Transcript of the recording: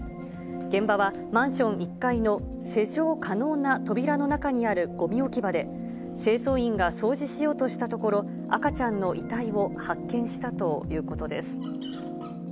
現場はマンション１階の施錠可能な扉の中にあるごみ置き場で、清掃員が掃除しようとしたところ、赤ちゃんの遺体を発見したということです。